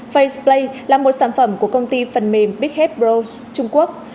faceplay là một sản phẩm của công ty phần mềm bigheadbros trung quốc